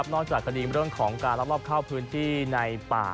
จากคดีเรื่องของการลักลอบเข้าพื้นที่ในป่า